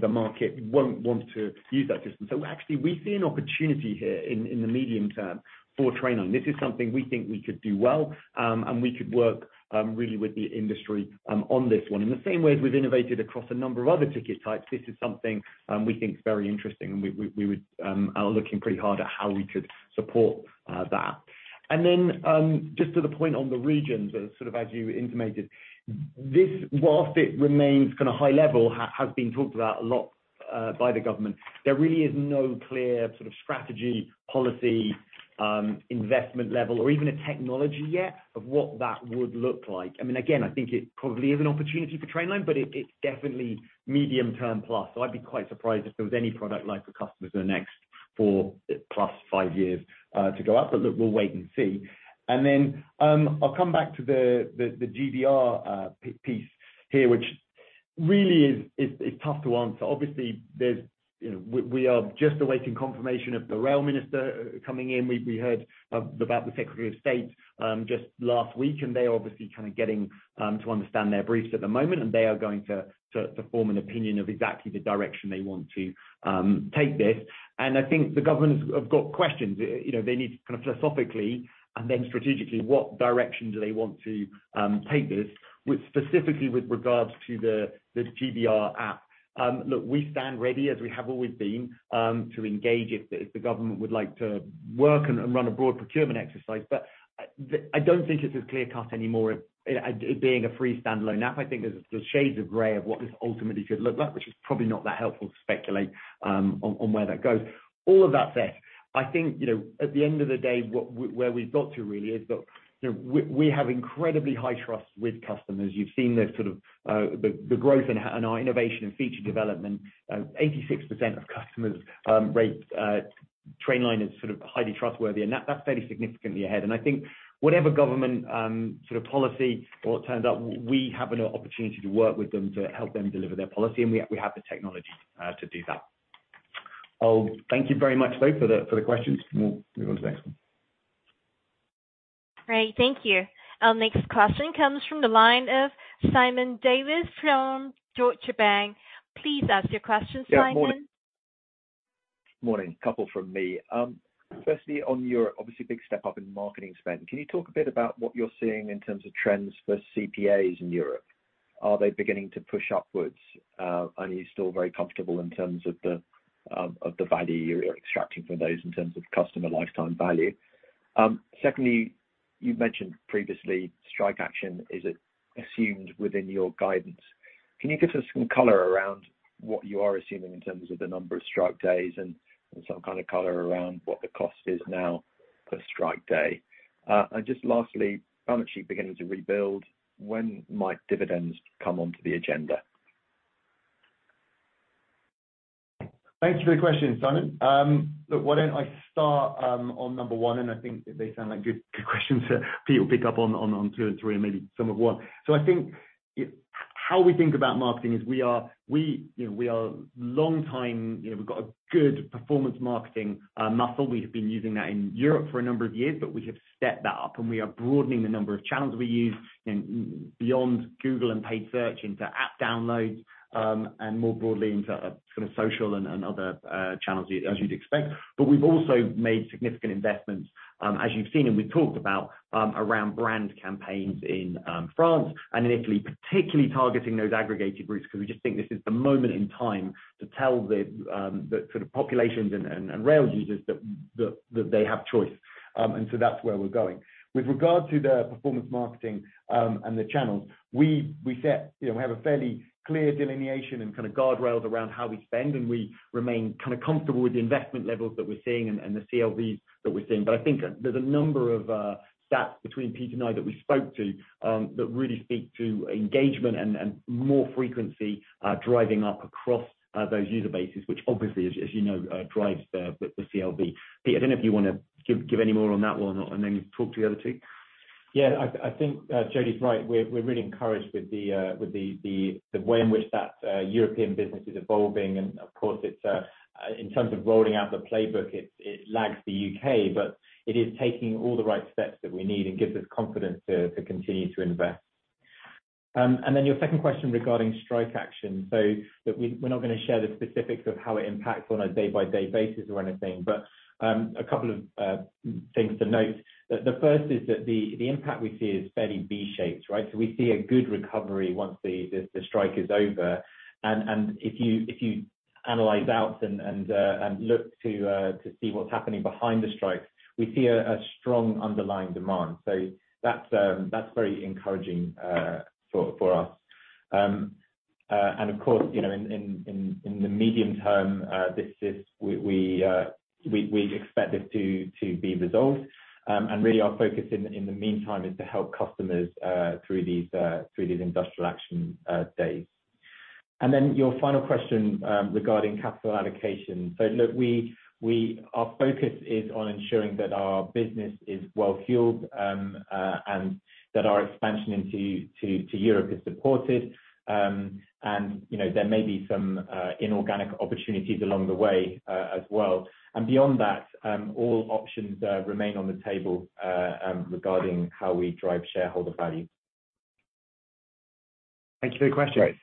the market won't want to use that system. Actually we see an opportunity here in the medium term for Trainline. This is something we think we could do well, and we could work really with the industry on this one. In the same way as we've innovated across a number of other ticket types, this is something we think is very interesting and we are looking pretty hard at how we could support that. Just to the point on the regions as sort of you intimated, this, whilst it remains kinda high level, has been talked about a lot by the government. There really is no clear sort of strategy, policy, investment level or even a technology yet of what that would look like. I mean, again, I think it probably is an opportunity for Trainline, but it's definitely medium term plus. I'd be quite surprised if there was any product like for customers in the next four plus five years to go out. Look, we'll wait and see. I'll come back to the GBR piece here, which really is tough to answer. Obviously, there's you know, we are just awaiting confirmation of the rail minister coming in. We heard about the Secretary of State just last week, and they are obviously kind of getting to understand their briefs at the moment, and they are going to form an opinion of exactly the direction they want to take this. I think the government have got questions. You know, they need to kind of philosophically and then strategically what direction do they want to take this with, specifically with regards to the GBR app. Look, we stand ready as we have always been to engage if the government would like to work and run a broad procurement exercise. I don't think it's as clear cut anymore it being a free standalone app. I think there's still shades of gray of what this ultimately could look like, which is probably not that helpful to speculate on where that goes. All of that said, I think, you know, at the end of the day, where we've got to really is that, you know, we have incredibly high trust with customers. You've seen the sort of the growth in our innovation and feature development. 86% of customers rate Trainline as sort of highly trustworthy, and that's fairly significantly ahead. I think whatever government sort of policy or it turns out we have an opportunity to work with them to help them deliver their policy and we have the technology to do that. Oh, thank you very much, though, for the questions. We'll move on to the next one. Great. Thank you. Our next question comes from the line of Simon Davies from Deutsche Bank. Please ask your questions, Simon. Morning. Morning. Couple from me. Firstly on your obviously big step up in marketing spend, can you talk a bit about what you're seeing in terms of trends for CPAs in Europe? Are they beginning to push upwards? Are you still very comfortable in terms of the value you're extracting from those in terms of customer lifetime value? Secondly, you've mentioned previously strike action, is it assumed within your guidance? Can you give us some color around what you are assuming in terms of the number of strike days and some kind of color around what the cost is now per strike day? Just lastly, balance sheet beginning to rebuild, when might dividends come onto the agenda? Thanks for the question, Simon. Look, why don't I start on number one, and I think they sound like good questions for Pete, we'll pick up on two and three and maybe some of one. I think how we think about marketing is we are long-term, you know, we've got a good performance marketing muscle. We have been using that in Europe for a number of years, but we have stepped that up and we are broadening the number of channels we use, you know, beyond Google and paid search into app downloads, and more broadly into sort of social and other channels as you'd expect. We've also made significant investments, as you've seen and we've talked about, around brand campaigns in France and in Italy, particularly targeting those aggregated routes 'cause we just think this is the moment in time to tell the sort of populations and rail users that they have choice. That's where we're going. With regard to the performance marketing and the channels, we set, you know, we have a fairly clear delineation and kind of guardrails around how we spend, and we remain kinda comfortable with the investment levels that we're seeing and the CLVs that we're seeing. I think there's a number of stats between Pete and I that we spoke to that really speak to engagement and more frequency driving up across those user bases, which obviously, as you know, drives the CLV. Pete, I don't know if you wanna give any more on that one or not, and then talk to the other two. Yeah, I think Jody's right. We're really encouraged with the way in which that European business is evolving. Of course, it's in terms of rolling out the playbook, it lags the U.K., but it is taking all the right steps that we need and gives us confidence to continue to invest. Your second question regarding strike action. Look, we're not gonna share the specifics of how it impacts on a day-by-day basis or anything. A couple of things to note. The first is that the impact we see is fairly V-shaped, right? We see a good recovery once the strike is over. If you analyze out and look to see what's happening behind the strike, we see a strong underlying demand. That's very encouraging for us. Of course, you know, in the medium term, we expect this to be resolved. Really our focus in the meantime is to help customers through these industrial action days. Then your final question, regarding capital allocation. Look, our focus is on ensuring that our business is well fueled, and that our expansion into Europe is supported. You know, there may be some inorganic opportunities along the way, as well. Beyond that, all options remain on the table, regarding how we drive shareholder value. Thank you for the question. Great.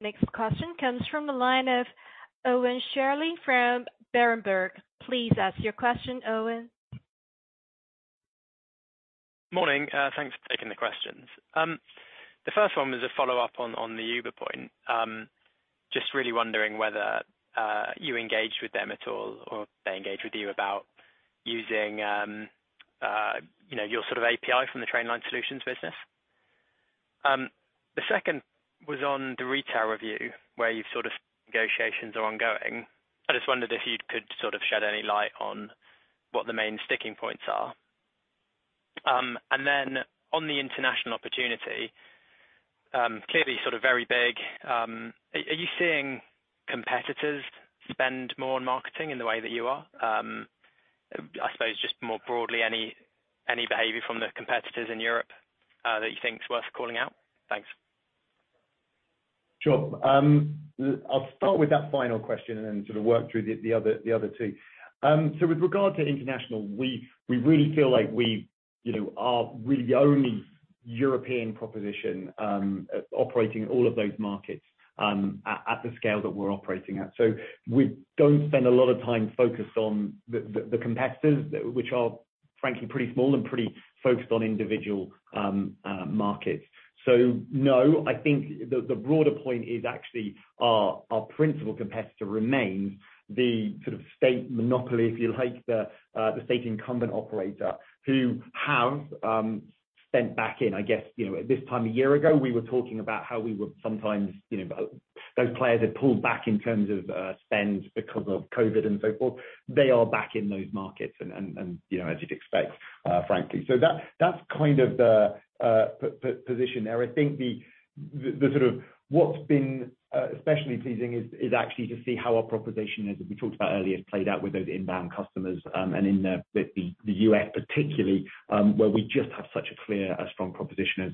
Next question comes from the line of Owen Shirley from Berenberg. Please ask your question, Owen. Morning. Thanks for taking the questions. The first one was a follow up on the Uber point. Just really wondering whether you engaged with them at all, or if they engaged with you about using, you know, your sort of API from the Trainline Solutions business. The second was on the retail review, where you sort of said negotiations are ongoing. I just wondered if you could sort of shed any light on what the main sticking points are. On the international opportunity, clearly sort of very big. Are you seeing competitors spend more on marketing in the way that you are? I suppose just more broadly, any behavior from the competitors in Europe that you think is worth calling out? Thanks. Sure. I'll start with that final question and then sort of work through the other two. With regard to International, we really feel like we, you know, are really the only European proposition, operating all of those markets, at the scale that we're operating at. We don't spend a lot of time focused on the competitors, which are frankly pretty small and pretty focused on individual markets. No, I think the broader point is actually our principal competitor remains the sort of state monopoly, if you like, the state incumbent operator who have spent back in. I guess, you know, at this time a year ago, we were talking about how sometimes, you know, those players had pulled back in terms of spend because of COVID and so forth. They are back in those markets and, you know, as you'd expect, frankly. That's kind of the position there. I think the sort of what's been especially pleasing is actually to see how our proposition, as we talked about earlier, has played out with those inbound customers, and in the U.S. particularly, where we just have such a clear, strong proposition as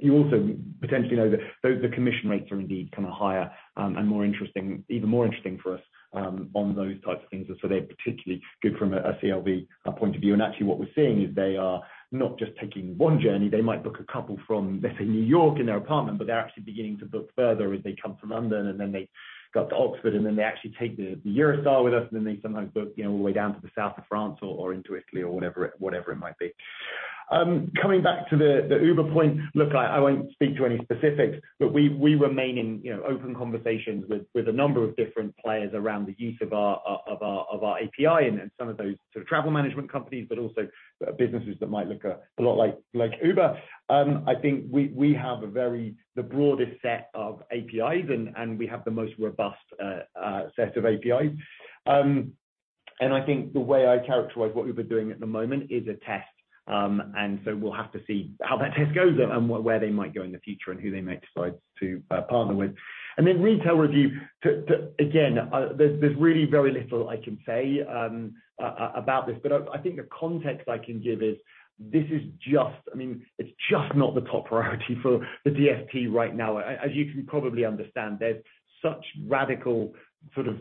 you also potentially know that those commission rates are indeed kind of higher and more interesting, even more interesting for us on those types of things. They're particularly good from a CLV point of view. Actually what we're seeing is they are not just taking one journey. They might book a couple from, let's say, New York in their apartment, but they're actually beginning to book further as they come from London, and then they go up to Oxford, and then they actually take the Eurostar with us, and then they sometimes book, you know, all the way down to the south of France or into Italy or whatever it might be. Coming back to the Uber point. Look, I won't speak to any specifics, but we remain in, you know, open conversations with a number of different players around the use of our API and some of those sort of travel management companies, but also businesses that might look a lot like Uber. I think we have the broadest set of APIs and we have the most robust set of APIs. I think the way I characterize what we've been doing at the moment is a test. We'll have to see how that test goes and where they might go in the future and who they may decide to partner with. Then retail review. To again, there's really very little I can say about this, but I think the context I can give is this is just I mean, it's just not the top priority for the DfT right now. As you can probably understand, there's such radical sort of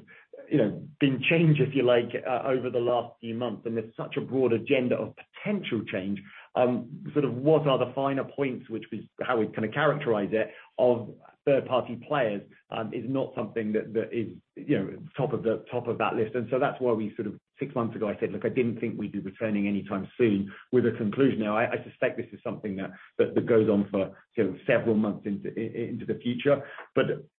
change, if you like, over the last few months, and there's such a broad agenda of potential change. Sort of what are the finer points, which was how we'd kind of characterize it, of third-party players, is not something that is, you know, top of that list. That's why we sort of six months ago, I said, look, I didn't think we'd be returning anytime soon with a conclusion. Now, I suspect this is something that goes on for sort of several months into the future.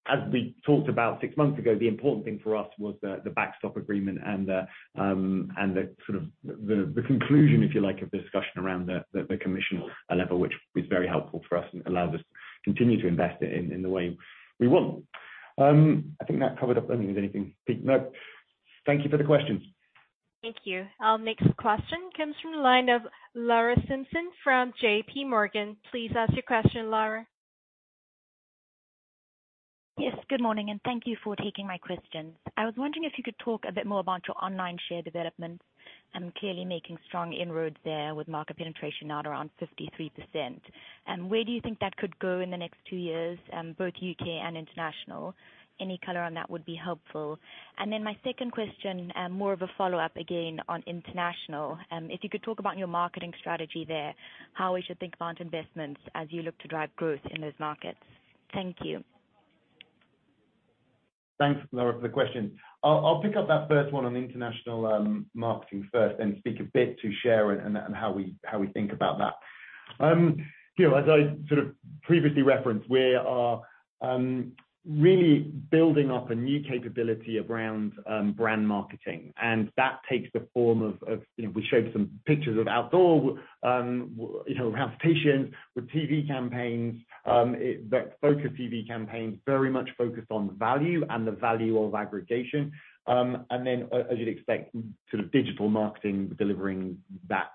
As we talked about six months ago, the important thing for us was the backstop agreement and the sort of conclusion, if you like, of the discussion around the commission level, which is very helpful for us and allows us to continue to invest in it in the way we want. I think that covers it. I don't think there's anything. No. Thank you for the question. Thank you. Our next question comes from the line of Lara Simpson from JPMorgan. Please ask your question, Lara. Yes, good morning, and thank you for taking my questions. I was wondering if you could talk a bit more about your online share development. Clearly making strong inroads there with market penetration now at around 53%. Where do you think that could go in the next two years, both U.K. and international? Any color on that would be helpful. Then my second question, more of a follow-up again on international. If you could talk about your marketing strategy there, how we should think about investments as you look to drive growth in those markets. Thank you. Thanks, Lara, for the question. I'll pick up that first one on International marketing first, then speak a bit to share and how we think about that. You know, as I sort of previously referenced, we are really building up a new capability around brand marketing, and that takes the form of, you know, we showed some pictures of outdoor, you know, with TV campaigns. That focused TV campaigns very much focused on value and the value of aggregation. As you'd expect sort of digital marketing delivering that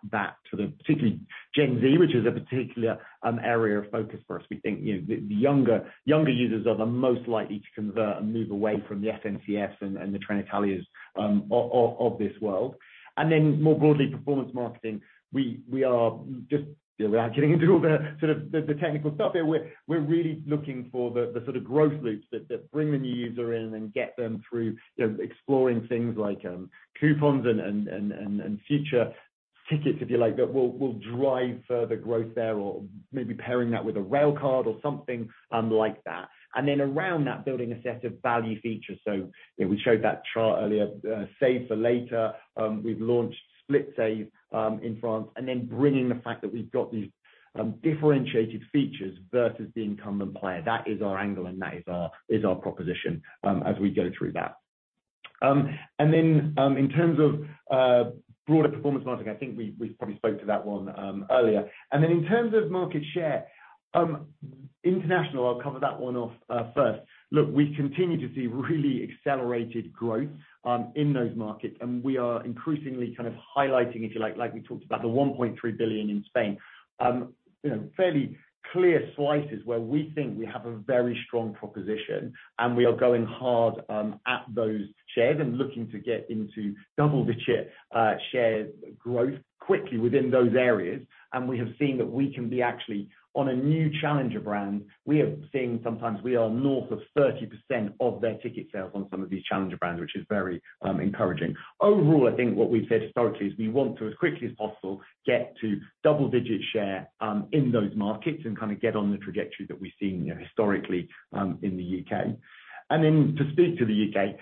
to the particular Gen Z, which is a particular area of focus for us. We think, you know, the younger users are the most likely to convert and move away from the SNCFs and the Trenitalias of this world. More broadly, performance marketing, we are just, you know, without getting into all the sort of technical stuff there, we're really looking for the sort of growth loops that bring the new user in and get them through, you know, exploring things like coupons and future tickets, if you like, that will drive further growth there or maybe pairing that with a Railcard or something like that. Around that, building a set of value features. You know, we showed that chart earlier, Save for Later, we've launched SplitSave in France. Bringing the fact that we've got these differentiated features versus the incumbent player. That is our angle and that is our proposition as we go through that. In terms of broader performance marketing, I think we probably spoke to that one earlier. In terms of market share, International, I'll cover that one off first. Look, we continue to see really accelerated growth in those markets. We are increasingly kind of highlighting, if you like we talked about the 1.3 billion in Spain. You know, fairly clear slices where we think we have a very strong proposition and we are going hard at those shares and looking to get into double the share growth quickly within those areas. We have seen that we can be actually on a new challenger brand. We are seeing sometimes we are north of 30% of their ticket sales on some of these challenger brands, which is very encouraging. Overall, I think what we've said historically is we want to, as quickly as possible, get to double digit share, in those markets and kind of get on the trajectory that we've seen historically, in the U.K.. To speak to the U.K.,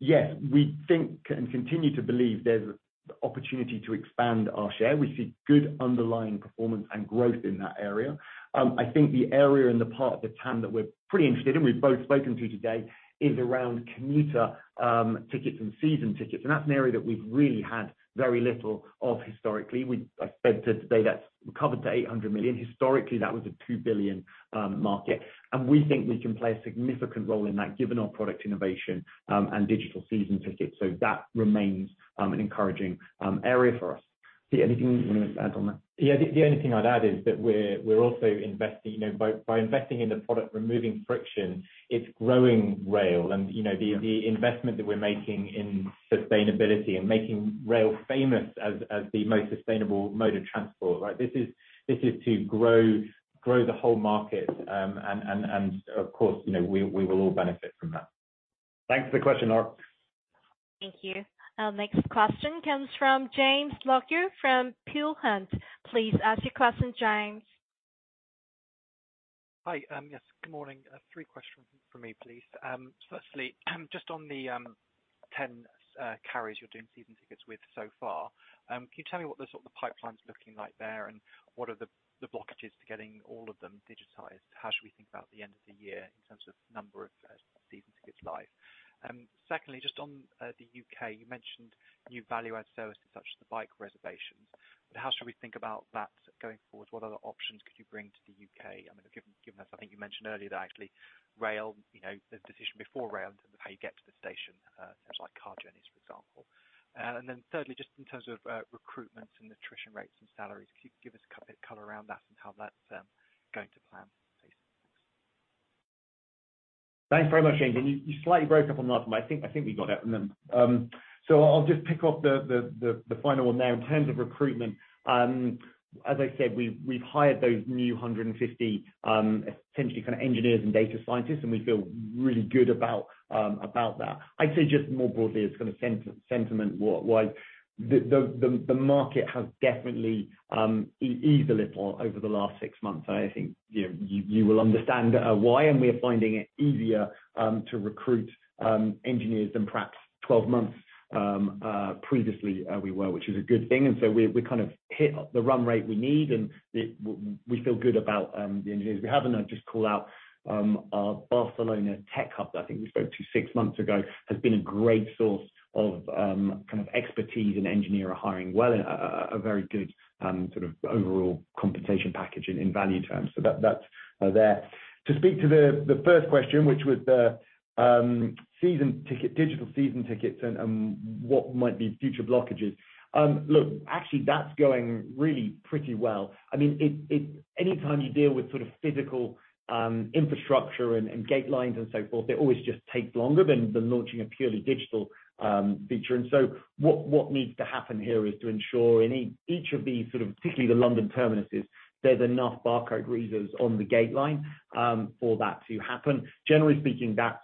yes, we think and continue to believe there's the opportunity to expand our share. We see good underlying performance and growth in that area. I think the area and the part of the TAM that we're pretty interested in, we've both spoken to today, is around commuter tickets and season tickets. That's an area that we've really had very little of historically. I said today, that's recovered to 800 million. Historically, that was a 2 billion market. We think we can play a significant role in that given our product innovation, and digital Season Ticket. That remains an encouraging area for us. Pete, anything you wanna add on that? Yeah. The only thing I'd add is that we're also investing, you know, by investing in the product, removing friction, it's growing rail. You know, the investment that we're making in sustainability and making rail famous as the most sustainable mode of transport, right? This is to grow the whole market. Of course, you know, we will all benefit from that. Thanks for the question, Lara. Thank you. Our next question comes from James Lockyer from Peel Hunt. Please ask your question, James. Hi. Yes. Good morning. Three questions from me, please. Firstly, just on the 10 carriers you're doing season tickets with so far. Can you tell me what the sort of the pipeline's looking like there, and what are the blockages to getting all of them digitized? How should we think about the end of the year in terms of number of season tickets live? Secondly, just on the U.K.. You mentioned new value add services such as the bike reservations. How should we think about that going forward? What other options could you bring to the U.K.? I mean, given that I think you mentioned earlier that actually rail, you know, the decision before rail in terms of how you get to the station, things like car journeys, for example. Thirdly, just in terms of recruitment and attrition rates and salaries. Could you give us a bit of color around that and how that's going to plan, please? Thanks. Thanks very much, James. You slightly broke up on the last one. I think we got it in the, so I'll just pick up the final one there. In terms of recruitment, as I said, we've hired those new 150, essentially kind of engineers and data scientists, and we feel really good about that. I'd say just more broadly as kind of sentiment wise, the market has definitely eased a little over the last six months. I think, you know, you will understand why and we are finding it easier to recruit engineers than perhaps 12 months previously we were, which is a good thing. We kind of hit the run rate we need, and we feel good about the engineers we have. I'd just call out our Barcelona tech hub that I think we spoke to six months ago, has been a great source of kind of expertise in engineer hiring. Well, a very good sort of overall compensation package in value terms. That's there. To speak to the first question, which was the Season Ticket, digital Season Ticket and what might be future blockages. Look, actually that's going really pretty well. I mean, anytime you deal with sort of physical infrastructure and gate lines and so forth, it always just takes longer than launching a purely digital feature. What needs to happen here is to ensure in each of these, sort of particularly the London terminuses, there's enough barcode readers on the gate line for that to happen. Generally speaking, that's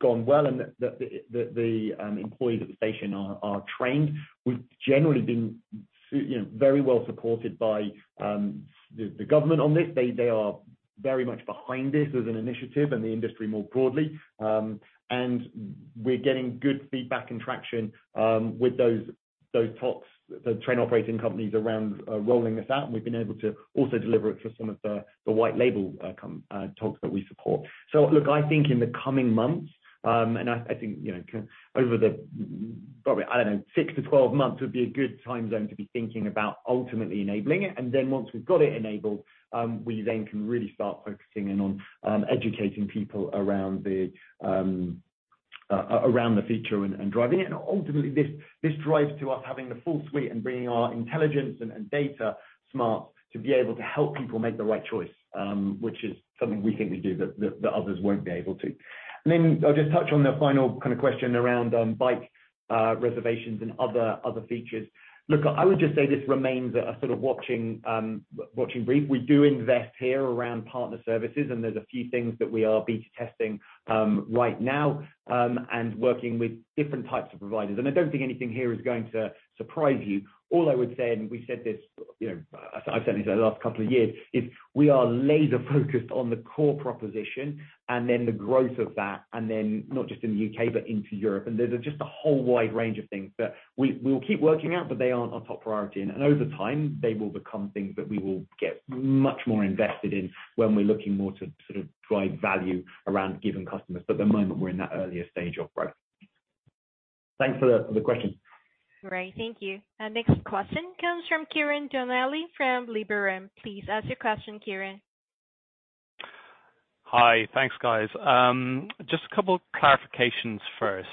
gone well and the employees at the station are trained. We've generally been you know, very well supported by the government on this. They are very much behind this as an initiative and the industry more broadly. We're getting good feedback and traction with those TOCs, the train operating companies around rolling this out. We've been able to also deliver it for some of the white label commercial TOCs that we support. Look, I think in the coming months and I think you know over the probably, I don't know, 6 to 12 months would be a good time zone to be thinking about ultimately enabling it. Then once we've got it enabled, we then can really start focusing in on educating people around the around the feature and driving it. Ultimately this drives to us having the full suite and bringing our intelligence and data smarts to be able to help people make the right choice, which is something we think we do that others won't be able to. Then I'll just touch on the final kind of question around bike reservations and other features. Look, I would just say this remains a sort of watching brief. We do invest here around partner services, and there's a few things that we are beta testing, right now, and working with different types of providers. I don't think anything here is going to surprise you. All I would say, and we said this, you know, I've said this the last couple of years, is we are laser focused on the core proposition and then the growth of that, and then not just in the U.K., but into Europe. There's just a whole wide range of things that we'll keep working out, but they aren't our top priority. Over time, they will become things that we will get much more invested in when we're looking more to sort of drive value around given customers. At the moment, we're in that earlier stage of growth. Thanks for the question. Great, thank you. Our next question comes from Ciaran Donnelly from Liberum. Please ask your question, Ciaran. Hi. Thanks, guys. Just a couple clarifications first.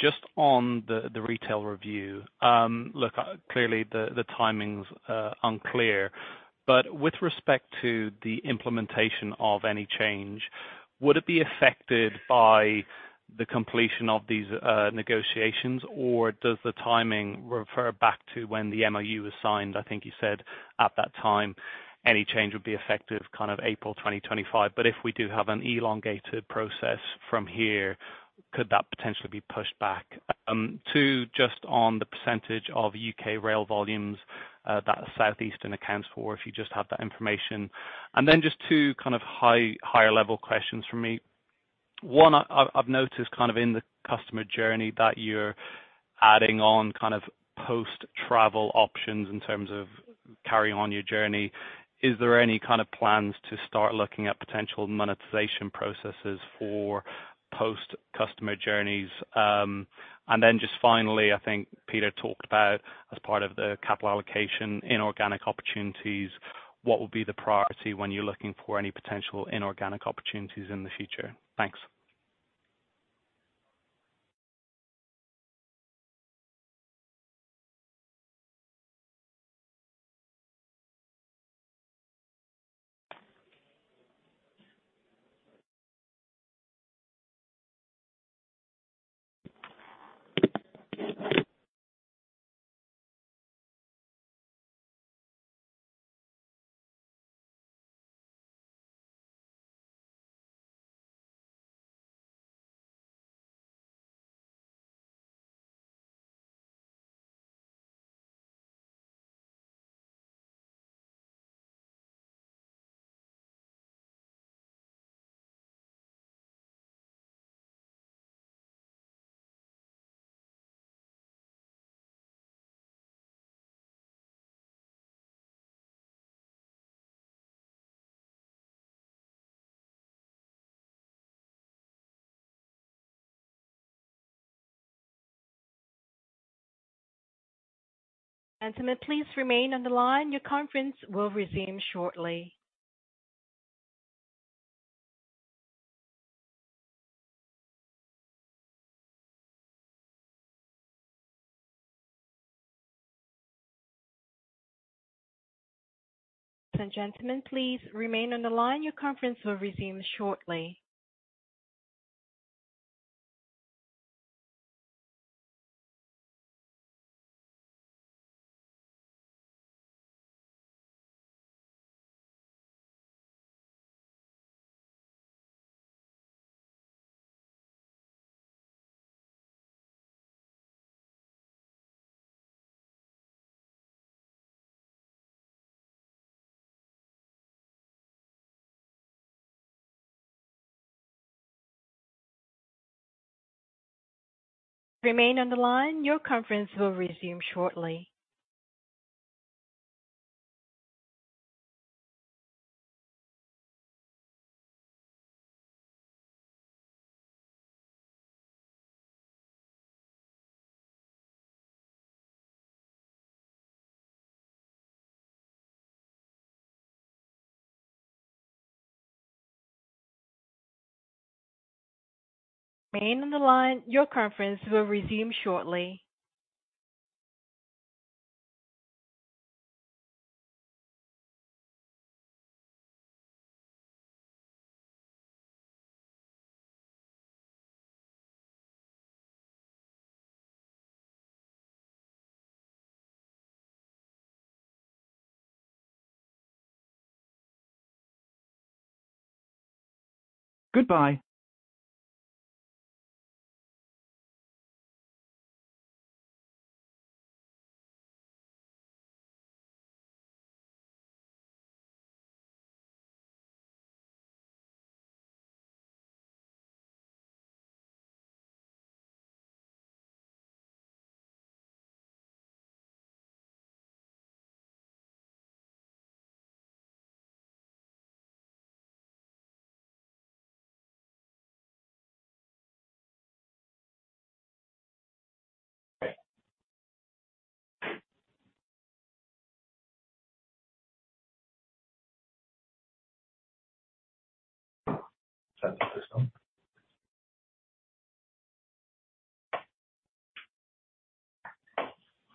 Just on the retail review. Look, clearly the timing's unclear, but with respect to the implementation of any change, would it be affected by the completion of these negotiations, or does the timing refer back to when the MoU was signed? I think you said at that time, any change would be effective kind of April 2025. If we do have an elongated process from here, could that potentially be pushed back? Two, just on the percentage of U.K. rail volumes that Southeastern accounts for, if you just have that information. Then just two kind of higher level questions from me. One, I've noticed kind of in the customer journey that you're adding on kind of post-travel options in terms of carrying on your journey. Is there any kind of plans to start looking at potential monetization processes for post-customer journeys? Just finally, I think Peter talked about as part of the capital allocation, inorganic opportunities. What will be the priority when you're looking for any potential inorganic opportunities in the future? Thanks. Gentlemen, please remain on the line. Your Conference will resume shortly. Ladies and gentlemen, please remain on the line. Your Conference will resume shortly. Remain on the line. Your Conference will resume shortly. Remain on the line. Your Conference will resume shortly. Goodbye. Thank you. Thank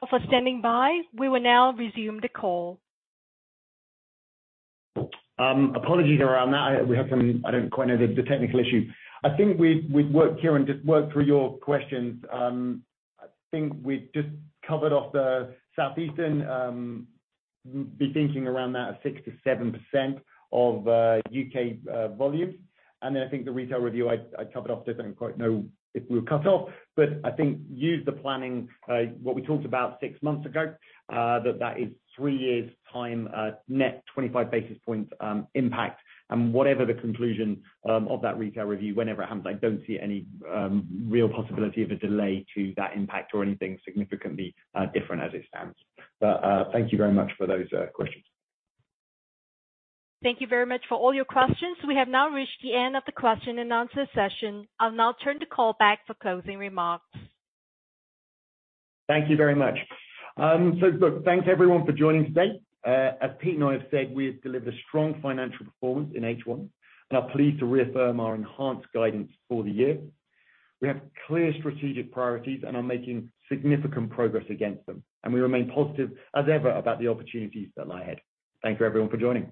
you for standing by. We will now resume the call. Apologies around that. I don't quite know the technical issue. I think we've, Ciaran Donnelly, just worked through your questions. I think we just covered off the Southeastern the thinking around that of 6% to 7% of U.K. volumes. Then I think the retail review I covered off. Don't quite know if we were cut off, but I think use the planning what we talked about six months ago that is three years' time net 25 basis points impact. Whatever the conclusion of that retail review, whenever it happens, I don't see any real possibility of a delay to that impact or anything significantly different as it stands. Thank you very much for those questions. Thank you very much for all your questions. We have now reached the end of the Q&A session. I'll now turn the call back for closing remarks. Thank you very much. Thanks everyone for joining today. As Pete and I have said, we have delivered a strong financial performance in H1 and are pleased to reaffirm our enhanced guidance for the year. We have clear strategic priorities and are making significant progress against them. We remain positive as ever about the opportunities that lie ahead. Thank you everyone for joining.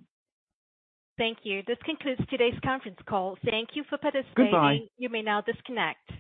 Thank you. This concludes today's Conference Call. Thank you for participating. Goodbye. You may now disconnect.